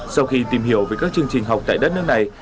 sau khi tìm hiểu về các chương trình học tại đất nước này